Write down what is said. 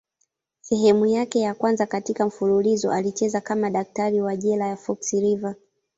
Sehemu yake ya kwanza katika mfululizo alicheza kama daktari wa jela ya Fox River.